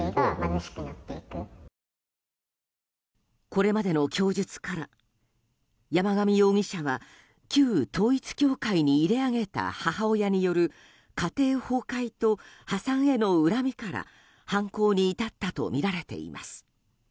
これまでの供述から山上容疑者は旧統一教会に入れ揚げた母親による家庭崩壊と破産への恨みから犯行に至ったとみられています。